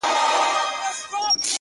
• داړي ولوېدې د ښکار کیسه سوه پاته ,